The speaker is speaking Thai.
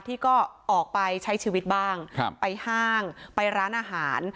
ที่ก็ออกไปใช้ชีวิตบ้างไปห้างไปร้านอาหาร